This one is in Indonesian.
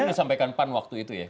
ini disampaikan pan waktu itu ya